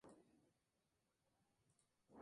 Eso fue parte del diseño cuando liberaron OpenSolaris.